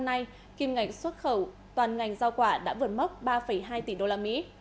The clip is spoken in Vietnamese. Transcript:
năm nay kim ngành xuất khẩu toàn ngành giao quả đã vượt mốc ba hai tỷ usd